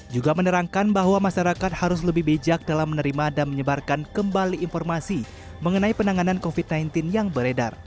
juga menerangkan bahwa masyarakat harus lebih bijak dalam menerima dan menyebarkan kembali informasi mengenai penanganan covid sembilan belas yang beredar